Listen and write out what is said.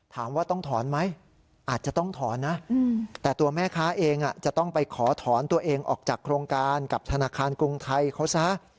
ถามว่าต้องถอนไหมอาจจะต้องถอนนะแต่ตัวแม่ค้าเองจะต้องไปขอถอนตัวเองออกจากโครงการกับธนาคารกรุงไทยเขาซะ